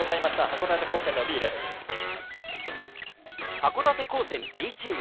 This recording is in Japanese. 函館高専Ｂチーム。